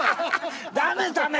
ダメダメ！